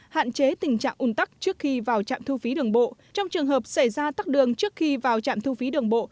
hạn chế tình trạng un tắc trước khi vào trạm thu phí đường bộ trong trường hợp xảy ra tắc đường trước khi vào trạm thu phí đường bộ